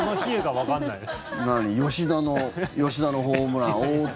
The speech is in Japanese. わかんないです。